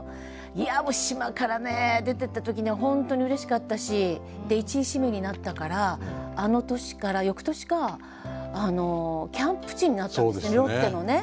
いやもう島からね出てった時には本当にうれしかったし１位指名になったからあの年から翌年かキャンプ地になったんですロッテのね。